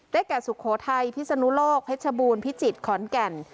แก่สุโขทัยพิศนุโลกเพชรบูรณพิจิตรขอนแก่น